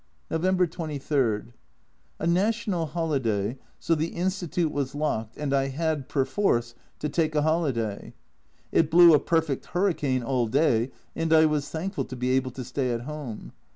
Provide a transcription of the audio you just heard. A Journal from Japan 239 November 23. A national holiday, so the Insti tute was locked, and I had, perforce, to take a holi day. It blew a perfect hurricane all day, and I was thankful to be able to stay at home.